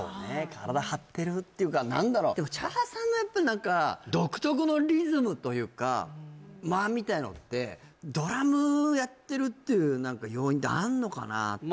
体張ってるっていうか何だろうでも茶さんがやっぱ何か独特のリズムというか間みたいなのってドラムやってるっていう何か要因ってあんのかなって